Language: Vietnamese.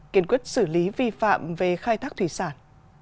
kiên quyết xử lý vi phạm về khai thác thủy sản